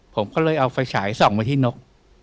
ผมก็เลยเอาไฟฉายส่องไว้ที่นก